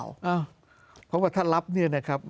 ก็เพราะว่าท่านรับนี่นะครับ